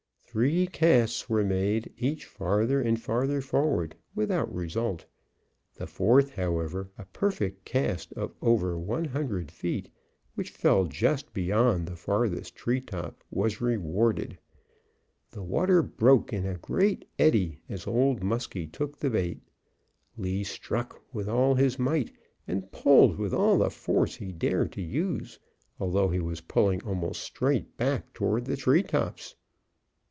Three casts were made, each farther and farther forward, without results. The fourth, however, a perfect cast of over one hundred feet, which fell just beyond the farthest treetop, was rewarded; the water broke in a great eddy as Old Muskie took the bait. Lee struck with all his might, and pulled with all the force he dared to use, although he was pulling almost straight back toward the treetops.